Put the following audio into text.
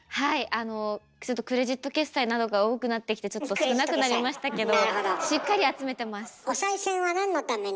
あのクレジット決済などが多くなってきてちょっと少なくなりましたけどしっかり集めてます。